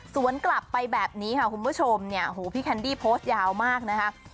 กลับไปแบบนี้ค่ะคุณผู้ชมเนี่ยหูพี่แคนดี้โพสต์ยาวมากนะคะ